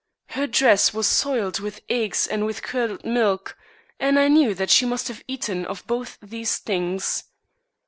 Her dress was soiled with eggs and with curdled milk; and I knew that she must have eaten of both these things.